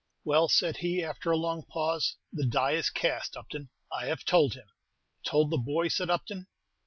"Well," said he, after a long pause, "the die is cast, Upton: I have told him!" "Told the boy?" said Upton.